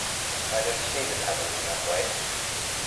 I don't see the Tanners in that way.